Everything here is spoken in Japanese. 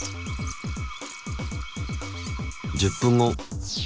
１０分後。